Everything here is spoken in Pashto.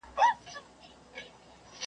څوک سپین ږیري وه د ښار څوک یې ځوانان ول .